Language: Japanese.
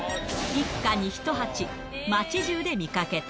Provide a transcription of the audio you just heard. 一家に一鉢、街じゅうで見かけた。